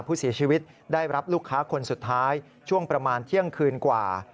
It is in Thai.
ผู้เสียชีวิตได้รับลูกค้าคนสุดท้ายช่วงประมาณเที่ยงคืนกว่า